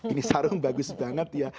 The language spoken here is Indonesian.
ini sarung bagus banget ya